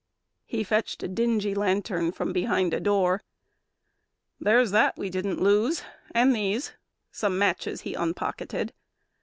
He fetched a dingy lantern from behind A door. "There's that we didn't lose! And these!" Some matches he unpocketed.